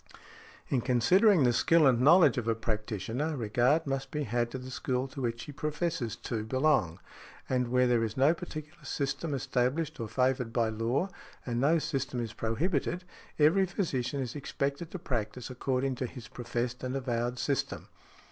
In considering the skill and knowledge of a practitioner regard must be had to the school to which he professes to |64| belong; and where there is no particular system established or favoured by law, and no system is prohibited, every physician is expected to practise according to his professed and avowed system.